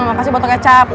makasih botol kecap